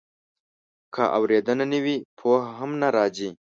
که اورېدنه نه وي، پوهه هم نه راځي.